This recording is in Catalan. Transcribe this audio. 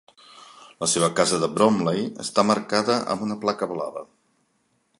La seva casa de Bromley està marcada amb una placa blava.